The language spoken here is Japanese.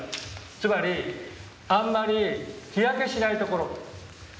つまりあんまり日焼けしない所。